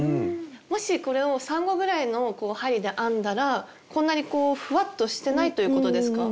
もしこれを３号ぐらいの針で編んだらこんなにこうふわっとしてないということですか？